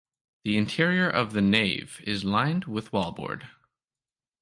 The interior of the nave is lined with wallboard.